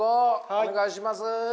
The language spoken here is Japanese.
お願いします！